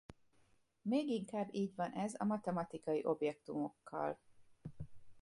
Még inkább így van ez a matematikai objektumokkal.